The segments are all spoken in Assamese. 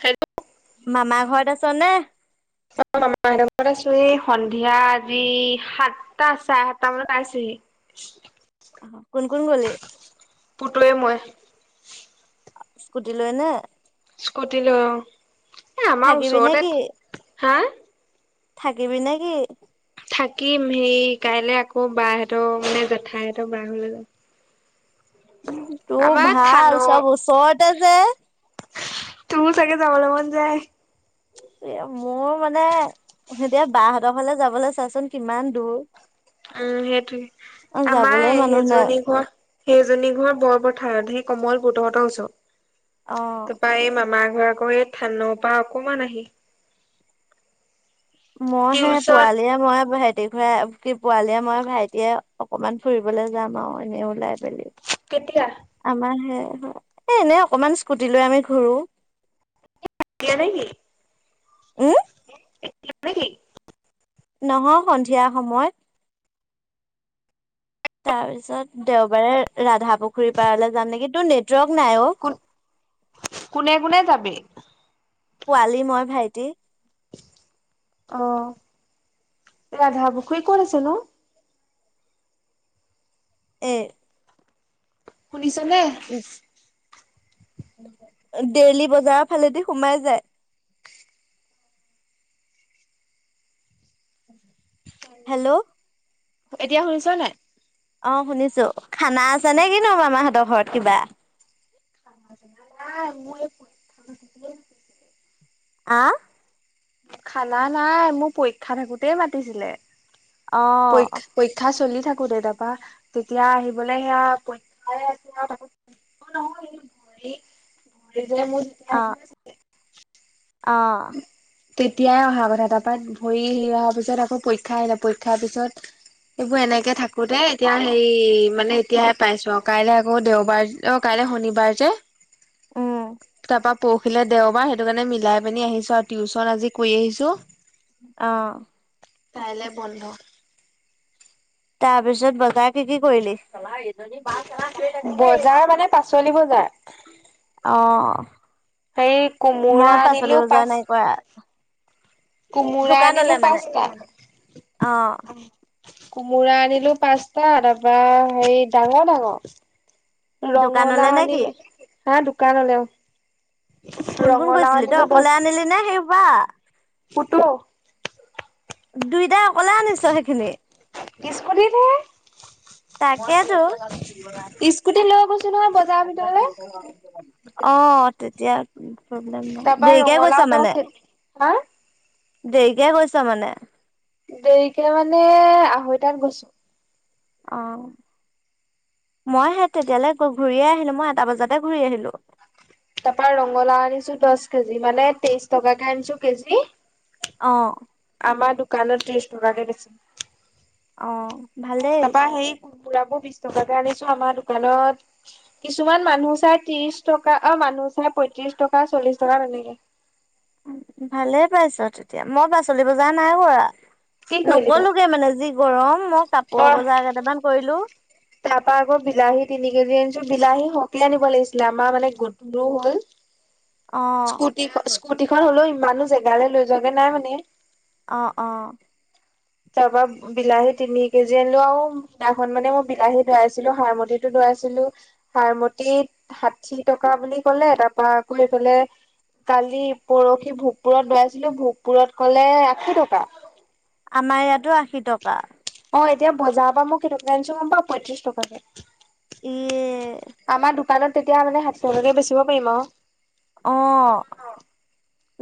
হেল্ল'। মামাৰ ঘৰত আছ' নে? মামাহঁতৱত আছো এই সন্ধিয়া আজি সাতটা চাৰে সাতটা মানত পাইছোঁহি। [inaudible] কোন কোন গ'লি? [unintelligible] মই স্কুটি লৈনে? স্কুটি লৈ অ। এ আমাৰ থাকিবি নে ওচৰতে। কি? হা থাকিবি নে কি? থাকিম হেই কাইলে আকৌ বাৰ হঁতৰ মানে জেঠাই হতৰ বাৰ ঘৰলে যাম। তোৰ আমাৰ ভাল থানৰ চব ওচৰতে যে। তুৰো চাগে যাবলে মন যায়? এ মোৰ মানে ইতিয়া বাহঁতৰ ফালে যাবলৈ চাচোন কিমান দূৰ। উম অ' সেইটোয়ে আমাৰ যাবলে মানুহ নাই। সেইজনী ঘৰ সেই এজনী ঘৰ বৰ পথাৰত সেই কমলপুৰ তহঁতৰ ওচৰ অ'। তাপা এই মামাৰ কৰ থানৰ পা অকমান আহি মই হে টিউচন পোৱালিয়ে মই ৰাতি ঘূৰা কি পোৱালীয়ে মই ভাইটিয়ে অকমান ফুৰিবলৈ যাম আৰু এনেই ওলাই পেলি কেতিয়া? আমাৰ হে এ এনেই অকমান স্কুটি লৈ আমি ঘুৰো। দিয়ে উম, নেকি নহয় সন্ধিয়া সময়ত। তাৰ পিছত দেওবাৰে ৰাধাপুখুৰী পাৰলে যাম নেকি, তোৰ নেট কোন কোনে কোনে যাবি? পোৱালি, মই, ভাইটি। অ ৰাধা পুখুৰী কঁত আছে নো? এ শুনিছেনে? ডেইলি বজাৰৰ ফালেদি সোমাই যায়। হেল্ল'। এতিয়া শুনিছ নাই? অ শুনিছো খানা আছে নেকি নো মামাহঁতৰ ঘৰত কিবা? নাই মই পৰীক্ষা আ খানা নাই মোৰ পৰীক্ষা থাকোতেই মাতিছিলে। অ পৰী পৰীক্ষা চলি থাকো দে তাপা তেতিয়া আহিবলে সেয়া পৰীক্ষাইে আছে তাকো অ নহয় এই ঘৰি ঘৰি যে মোৰ যেতিয়া অ আহি আছিলে অ তেতিয়াই অহা কথা তাপা ভৰি হেৰি অহাৰ পিছত আকৌ পৰীক্ষা আহিলে পৰীক্ষাৰ পিছত এইবোৰ এনেকে থাকোতে এতিয়া হেৰি মানে এতিয়াহে পাইছো অ কাইলে আকৌ দেওবাৰ অ কাইলে শনিবাৰ যে উম পা পৰখিলে দেওবাৰ সেইটো কাৰণে মিলাই পিনি আহিছো আৰু টিউচন আজি কৰি আহিছো। আ কাইলে বন্ধ তাৰপিছত বগাকে কি কৰিলি চলি বজাৰ অ। হেৰি মই কোমোৰা পাচলি আনিলো বজাৰ পাঁচ নাই কৰা কোমোৰা আনিলো দোকানলে মানে পাঁচটা অ কোমোৰা আনিলো পাঁচটা তাপা হেৰি ডাঙৰ ডাঙৰ। দোকানলে ৰঙালাও নে কি আনিলে হা দোকানলে অ কোন কোন কৈছিলি তই অকলে আনিলি নে সেইহোপা কুতো দুইটাই অকলে আনিছ সেইখিনি স্কুটিত হে তাকেটো অ হে স্কুটি লৈ গৈছো নহয় বজাৰৰ ভিতৰলে তেতিয়া তাৰপা দেৰিকে ৰঙালাও গৈছ দহ মানে কেজি হা দেৰিকে গৈছ মানে দেৰিকে মানে আঢ়ৈটাত গৈছো। অ মই সে তেতিয়ালৈ ঘূৰিয়ে আহিলো মই এটা বজাতে ঘূৰি আহিলো। তাৰ পৰা ৰঙালাও আনিছো দহ কেজি মানে তেইশ টকাকে আনিছো কেজি আহ আমাৰ দোকানত ত্ৰিছ টকাকে দিছে। অ'। ভালেই, তাৰপৰা সেই বুৰা বোৰ বিশ টকাকে আনিছোঁ। আমাৰ দোকানত কিছুমান মানুহ চাই ত্ৰিশ টকা অ'- মানুহ পইচা পয়ত্ৰিশ টকা, চল্লিশ টকা তেনেকে। ভালে পাইছ তেতিয়া মই পাচলি বজাৰ নাই কৰা। কি কৰিলি তই নকললোগে মানে যি গৰম মই কাপোৰ বজাৰ কেইটামান কৰিলো। তাৰ পৰা আকৌ বিলাহী তিনি কেজি আনিছো বিলাহী সকিয়াই আনিব লাগিছিলে আমাৰ মানে গধুৰো হ'ল। আহ স্কুটি স্কুটিখন হলেও ইমানো জেগালৈ লৈ যোৱাগে নাই মানে আহ অ তাৰ পৰা বিলাহী তিনি কেজি আনিলো আৰু সিদিনাখন মানে মই বিলাহী ধুৱাইছিলো সাৰমঠিটো ধুৱাই পাইছিলো সাৰমতি ষাঠি টকা বুলি ক'লে তাৰ পৰা আকৌ এইফালে কালি পৰহি ভোগপুৰত লাইছিলো ভোগপুৰত কলে আশী টকা। আমাৰ ইয়াতো আশী টকা অ এতিয়া বজাৰৰ পৰা মই কেইটকাকে আনিছো গম পাৱ পঁয়ত্ৰিশ টকাকে ইয়ে আমাৰ দোকানত তেতিয়া মানে সাত টকাকে বেচিব পাৰিম অ অ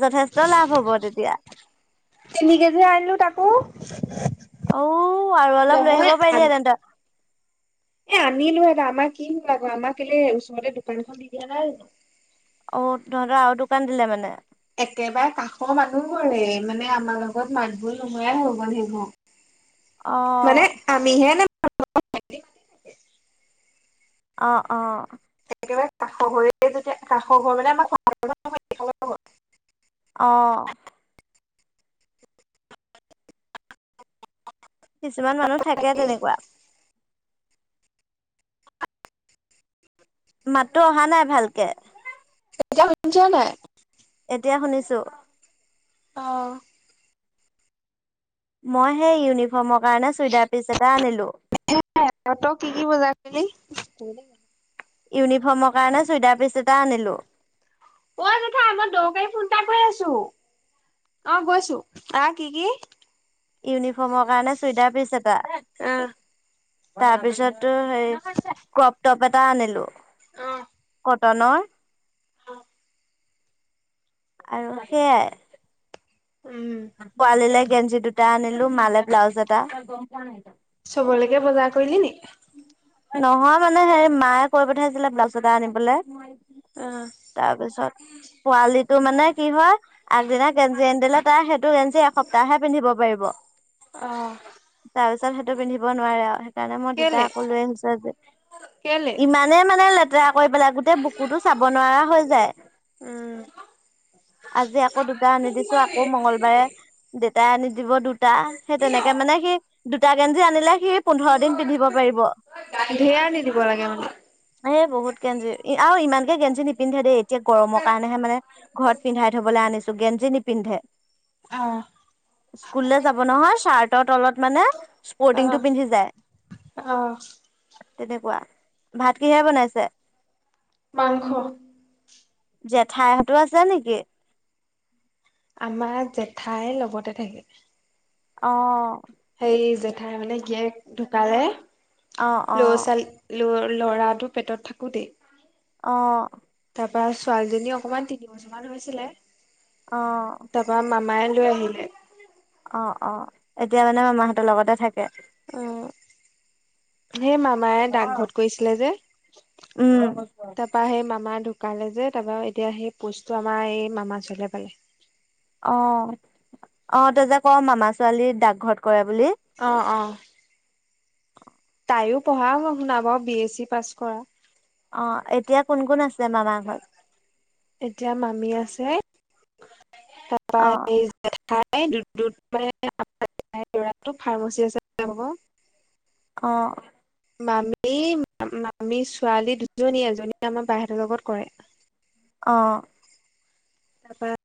যথেষ্ট লাভ হব তেতিয়া। তিনি কেজি আনিলোঁ তাকো। অ' আৰু অলপ লৈ নহয় আহিব পাৰিলিহেতেনে তই। এ আনিলোঁ এ আমাৰ কি হ'ল আকৌ? আমাৰ কেলে ওচৰতে দোকানখন দি দিয়া নাই জানো? অ' তহঁতৰ আৰু দোকান দিলে মানে? একেবাৰে কাষৰ মানুহ ঘৰে। মানে আমাৰ লগত মাত-বোল নোহোৱাই হৈ গ'ল সেইবোৰ। [unintelligible] মানে আমিহে নে [inaudible] অ' - অ'। একেবাৰে কাষৰ ঘৰে যেতিয়া কাষ ঘৰ মানে আমাৰ [unintelligible] অ'। কিছুমান মানুহ থাকে এতিয়া তেনেকুৱা। মাতটো অহা নাই ভালকে। এতিয়া শুনিছ নাই? এতিয়া শুনিছোঁ। অ'। মই সেই য়ু ফৰ্মৰ কাৰণে চুইদাৰ পিচ এটা আনিলোঁ। তই কি কি বজাৰ [unintelligible] ইউনিফৰ্মৰ কাৰণে চুইদাৰ পিচ এটা আনিলোঁ। ঐ জেঠাই মই দৰকাৰী ফোন এটা কৰি আছোঁ। অ' গৈছোঁ। অ' কি - কি? ইউনিফৰ্মৰ কাৰণে চুইদাৰ পিচ এটা। আহ তাৰপিছতটো সেই ক্ৰ'প টপ এটা আনিলোঁ। অ'। কটনৰ। আৰু সেয়াই। উম, পোৱালিলে গেঞ্জি দুটা আনিলোঁ, মালে ব্লাউজ এটা। চবলৈকে বজাৰ কৰিলি নি? নহয় মানে হেৰি মায়ে কৈ পঠাইছিলে ব্লাউজ এটা আনিবলে। তাৰপিছত পোৱালিটো মানে কি হয়, আগদিনা গেঞ্জী আনি দিলে তাৰ সেইটো গেঞ্জী এসপ্তাহে পিন্ধিব পাৰিব। অ'। তাৰপিছত সেইটো পিন্ধিব নোৱাৰে আৰু। সেইকাৰণে মই দুটা কেলে আকৌ লৈ আনিছোঁ আজি। কেলে? ইমানেই মানে লেতেৰা কৰি পেলাই গোটেই বুকুতো চাব নোৱাৰা হৈ যায়। উম। আজি আকৌ দুটা আনি দিছো আকৌ মংগলবাৰে। দুটা আনি দিব, দুটা। সেই তেনেকে মানে সি দুটা গেঞ্জি আনিলে সি পোন্ধৰ দিন পিন্ধিব পাৰিব। ধেৰ আনি দিব লাগে মানে এ বহুত গেঞ্জী। এ আৰু ইমানকে গেঞ্জী নিপিন্ধে দেই। এতিয়া গৰমৰ কাৰণেহে মানে ঘৰত পিন্ধাই ধুবলৈ আনিছোঁ। গেঞ্জী নিপিন্ধে। অ'। স্কুললৈ যাব নহয়? শ্বাৰ্টৰ তলত মানে অ', স্পৰ্টিংটো পিন্ধি যায়। অ'। তেনেকুৱা। ভাত কিহে বনাইছে? মাংস। জেঠাইহঁতো আছে নেকি? আমাৰ জেঠাইৰ লগতে থাকে। অহ। সেই জেঠাই মানে গীয়েক ঢুকালে। অহ ল'ৰা অহ। ছোৱালী ল'ৰাটো পেটত থাকো তেই। অহ। তাৰপা ছোৱালীজনী অকমান তিন বছৰ মান হৈছিলে অ', তাৰাপা মামাই। লৈ আহিলে। অ অ এতিয়া মানে মামাহঁতৰ লগতে থাকে। অহ। সেই মামায় ডাকঘৰত কৰিছিলে যে উম। তাৰপা সেই মামাই। ঢুকালে যে তাৰপা এতিয়া সেই পজটো আমাৰ এই মামাজনে পালে। অ অ তই যে ক মামা ছোৱালী ডাকঘৰত কৰে বুলি। অহঁ অঁহ। তাইও পঢ়া শুনা বাৰু বি এ চি পাছ কৰা। অ এতিয়া কোন কোন আছে। মামা ঘৰত? এতিয়া মামী আছে। তাৰপা অ', তাইৰ ফাৰ্মাচী আছে হব। অহ। মামী মামী ছোৱালী দুজনী এজনী আমাৰ বাইহঁতৰ লগত কৰে। অহ। তাৰপৰা।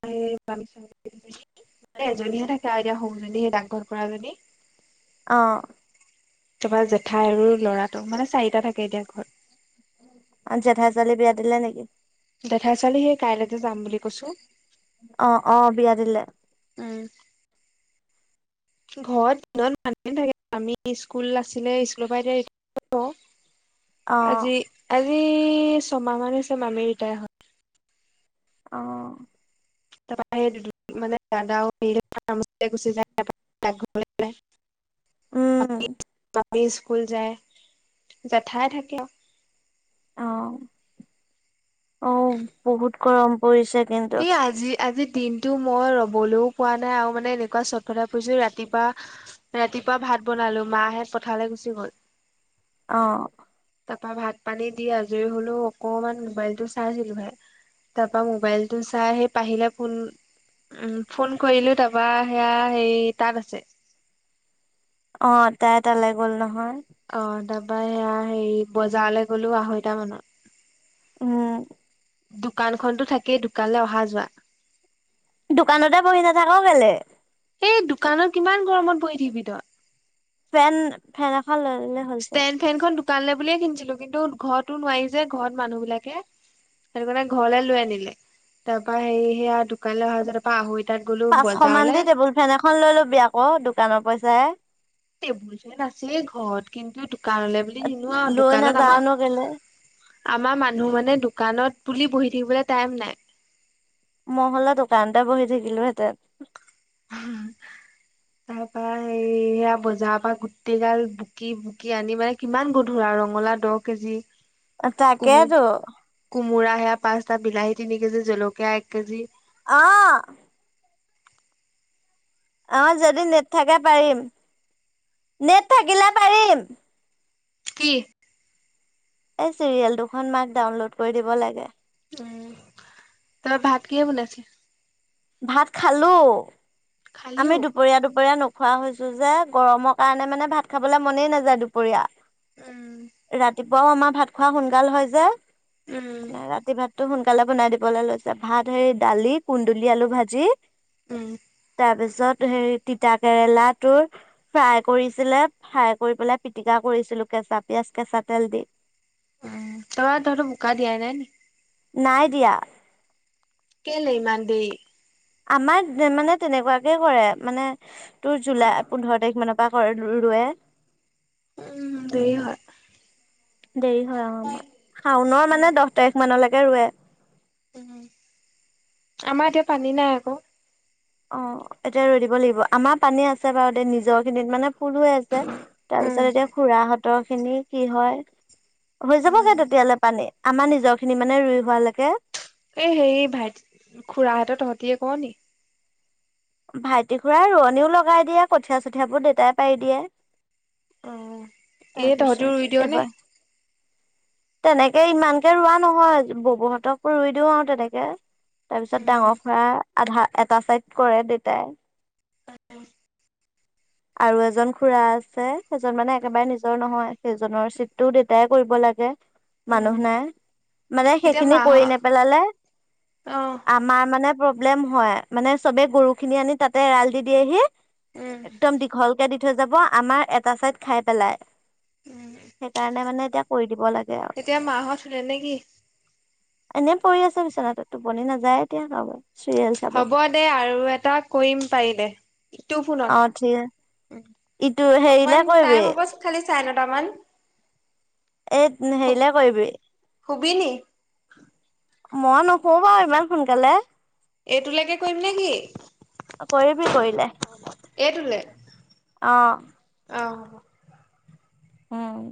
মানে এজনীহে থাকে আৰু এতিয়া সৰুজনীহে ডাকঘৰত কৰা জনী। অহ। তাৰপা জেঠাই আৰু ল'ৰাটো মানে চাৰিটা থাকে এতিয়া ঘৰত। আৰু জেঠাই ছোৱালী বিয়া দিলে নেকি। জেঠাই ছোৱালী হেই কাইলেযে যাম বুলি কৈছো অ', অ', বিয়া দিলে, উম। ঘৰত দিনত মানুহ থাকে আমি স্কুল আছিলে স্কুলৰ পৰা এতিয়া। [unintelligible] অ', আজি আজি ছমাহ মান হৈছে মামী ৰীতাই হল। অহ। তাৰপৰা সেই মানে দাদা গুচি যায়। উম। আমি স্কুল যায় জেঠাই থাকে। অ অ বহুত গৰম পৰিছে। কিন্তু আজি-আজি। দিনটো মই ৰ'বলৈও পোৱা নাই আৰু মানে এনেকুৱা সত-ফতাই ফুৰিছোঁ ৰাতিপা ৰাতিপুৱা ভাত। ভাত বনালো মাহঁত পথাৰলে গুচি গ'ল। অ। তাৰপা ভাত পানী দি আজৰি হলেও অকনমান মোবাইলটো চাই চিলোহে। তাৰপা মোবাইলটো চাই সেই পাহিলে ফোন। উম ফোন কৰিলো তাৰপা সেয়া হে তাত আছে। অ তাই এটা লৈ গ'ল নহয়। অ তাৰপা সেয়া হেৰি বজাৰলে গলো আঢ়ৈটা মানত। উম। দোকানখনতো থাকেই দোকানলৈ অহা যোৱা। দোকানতে বহি নাথাক কেলে। এই দোকানত কিমান গৰমত বহি থাকিবি তই? ফেন-ফেন এখন লৈ ল'লে হ'ল চোন [unintelligible] দোকানে বুলিয়ে কিনিছিলো কিন্তু ঘৰতো নোৱাৰি যে ঘৰত মানুহ বিলাকে সেইটো কাৰণে ঘৰলৈ লৈ আনিলে তাৰ পৰাৰা সেৰি সেয়া দোকানলৈ অহা যায় তাৰ পৰা আহৈ পাঁচশ মান দি টেবুল ফেন এখন লৈ লবি আকৌ দোকানৰ পইচাই টেবুল ফেন আছে ঘৰত কিন্তু দোকানলৈ বুলি নিনোৱা লৈ দোকানত আমাৰ নাযাওনো কেলে আমাৰ মানুহ মানে দোকানত বুলি বহি থাকিবলৈ টাইম নাই। মই হ'লে দোকানতে বহি থাকিলোহেঁতেন তাৰপৰা [unintelligible] এইয়া বজাৰৰ পৰা গুটি গাল বুকি বুকি আনি মানে কিমান গধুৰ আৰু ৰঙালাও দহ কেজি যি তাকেতো মুৰা সেয়া পাঁচটা, বিলাহী তিনি কেজি, জলকীয়া এক কেজি আহ অ যদি নেট থাকে পাৰিম [inaudible] নেট থাকিলে পাৰিম। কি? এই চিৰিয়েল দুখন মান ডাউনলোড কৰি দিব লাগে। [unintelligible] উম তাৰ ভাত কিহে বনাইছে। ভাত খালো আমি খালিও? দুপৰীয়া-দুপৰীয়া নো খোৱা হৈছো যে গৰমৰ কাৰণে মানে ভাত খাবলে মনেই নাযায় দুপৰীয়া উম। [inaudible] ৰাতিপুৱাও আমাৰ ভাত খোৱা সোনকাল হয় যে উম, ৰাতি ভাত টো সোনকালে বনাই দিবলৈ লৈছে ভাত হেৰি দালি, কুন্দুলি, আলু ভাজি উম তাৰপিছত হেৰি তিতাকেৰেলাটো ফ্ৰাই কৰিছিলে ফ্ৰাই কৰি পেলাই পিটিকা। কৰিছিলো কেঁচা পিয়াঁজ, কেঁচা তেল দি উম তোমাৰ ধৰতটো বোকা দিয়াই নাই নি নাই দিয়া। কেলে ইমান দেৰি আমাৰ মানে তেনেকুৱাকে কৰে মানে তোৰ জুলাই পোন্ধৰ তাৰিখ মানৰ [unintelligible] কৰে ৰোৱে উম দেৰি হয়। [inaudible] দেৰি হয় অ আমাৰ শাওনৰ মানে দহ তাৰিখ মানলৈকে ৰোৱে। উ আমাৰ এতিয়া পানী নাই আকৌ। অ এতিয়া ৰৈ দিব লাগিব আমাৰ পানী আছে বাৰু দে নিজৰ খিনিত মানে। ফুল হৈ আছে তাৰ উম। পিছত এতিয়া খুৰাহঁতৰ খিনি কি হয়। হৈ উম। যাবগে তেতিয়ালৈ পানী আমাৰ নিজৰ খিনি মানে ৰুই হোৱালৈকে এ হে ভাইটি খুৰা হঁতৰ তহঁতিয়ে কও নি ভাইটি খুৰা ৰোৱনীও লগাই দিয়ে কঠীয়া চঠিয়াবোৰ দেতাই পাৰি দিয়ে। অ'। এই তহঁতিও ৰুই দিয় তাৰপিছত নে? এবাৰ তেনেকে ইমানকে ৰোৱা নহয় ববুহঁতক ৰুই দিও আৰু তেনেকে তাৰ পিছত উম, ডাঙৰ খুৰা আধা এটা চাইড কৰে দেউতাই। অ আৰু এজন খুৰা আছে সেইজন মানে একেবাৰে নিজৰ নহয় সেইজনৰ চিপটোও দেউতাই কৰিব লাগে। উম, মানুহ নাই মানে এতিয়া সেইখিনি কৰি মাহত নেপেলালে। অ', আমাৰ মানে প্ৰব্লেম হয় মানে চবে গৰু খিনি আনি তাতে এৰাল দি দিয়েহি। উম ভালকৈ দি থৈ যাব আমাৰ এটা সাইদ খাই পেলাই। এয়া কৰি দিব লাগে। আৰু এতিয়া মাহত লে নে কি? এনেই পৰি আছো বিচনাতে টোপনি নাযায় এতিয়া আউ। হ'ব দে আৰু এটা কৰিম পাৰি দে, তোৰ অ ঠিক ফোনত। ইটো হেৰিলে অকন কৰিবি টাইম হ'ব খালি চাৰে নটা মান। এই হেৰিলে কৰিবি শু-শুবি নি? মই নপৰো বাৰু ইমান সোনকালে। এইটোলৈকে কৰিম নেকি? কৰিবি কৰিলে। এইটোলে। অ', অ', উম।